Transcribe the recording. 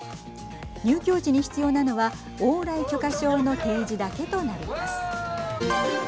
入境時に必要なのは往来許可証の提示だけとなります。